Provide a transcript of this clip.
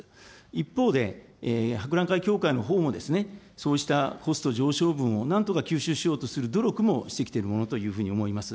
一方で、博覧会協会のほうも、そうしたコスト上昇分をなんとか吸収しようとする努力もしてきているものというふうに思います。